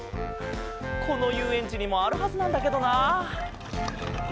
このゆうえんちにもあるはずなんだけどな。